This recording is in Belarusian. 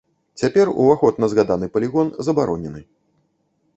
Цяпер уваход на згаданы палігон забаронены.